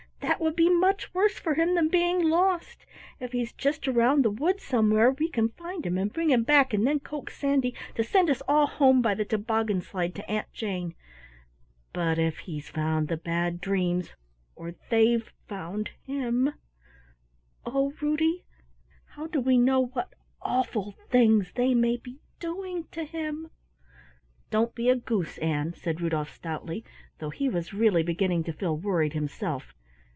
"That would be much worse for him than being lost. If he's just around the wood somewhere we can find him and bring him back and then coax Sandy to send us all home by the toboggan slide to Aunt Jane, but if he's found the Bad Dreams or they've found him Oh, Ruddy, how do we know what awful things they may be doing to him!" "Don't be a goose, Ann," said Rudolf stoutly, though he was really beginning to feel worried himself.